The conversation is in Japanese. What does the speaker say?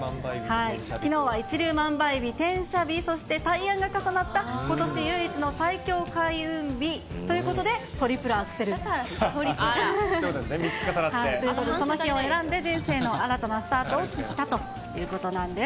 きのうは一粒万倍日、てんしゃ日、そして大安が重なったことし唯一の最強開運日という３つ重なって。ということで、その日を選んで人生の新たなスタートを切ったということなんです。